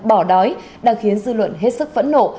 bỏ đói đang khiến dư luận hết sức phẫn nộ